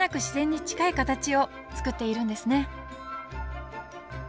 自然に近い形を作っているんですね